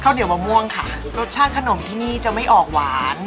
เดี่ยวมะม่วงค่ะรสชาติขนมที่นี่จะไม่ออกหวาน